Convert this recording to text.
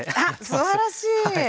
あらすばらしい！